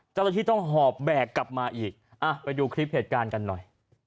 เจ้าหน้าที่ต้องหอบแบกกลับมาอีกไปดูคลิปเหตุการณ์กันหน่อย